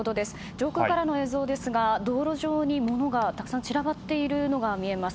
上空からの映像ですが道路上に物がたくさん散らばっているのが見えます。